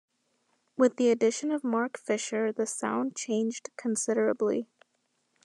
With the addition of Mark Fisher, the sound changed considerably.